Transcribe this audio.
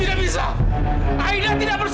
tidak bisa aida tidak bersalah pak nevertheless